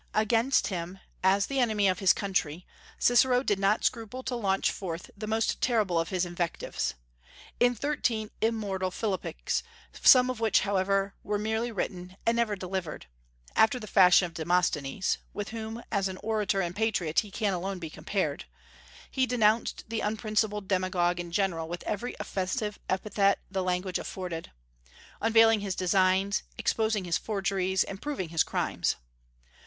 Against him, as the enemy of his country, Cicero did not scruple to launch forth the most terrible of his invectives. In thirteen immortal philippics some of which, however, were merely written and never delivered, after the fashion of Demosthenes, with whom as an orator and a patriot he can alone be compared he denounced the unprincipled demagogue and general with every offensive epithet the language afforded, unveiling his designs, exposing his forgeries, and proving his crimes.